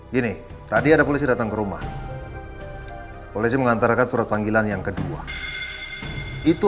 gini tadi ada polisi datang ke rumah polisi mengantarkan surat panggilan yang kedua itu